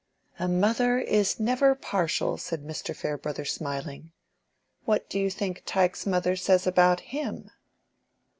"A mother is never partial," said Mr. Farebrother, smiling. "What do you think Tyke's mother says about him?"